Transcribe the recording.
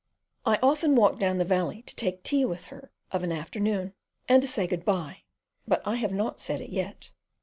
I often walk down the valley to take tea with her of an afternoon and to say good bye, but I have not said it yet.